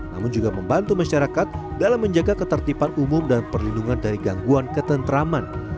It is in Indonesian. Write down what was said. namun juga membantu masyarakat dalam menjaga ketertiban umum dan perlindungan dari gangguan ketentraman